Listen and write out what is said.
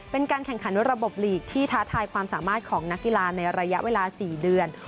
เป็นการแข่งขันระบบลีกที่ท้าทายความสามารถของนักกีฬาในระยะเวลา๔เดือน